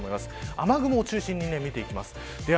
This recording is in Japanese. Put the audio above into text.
雨雲を中心に見ていきます。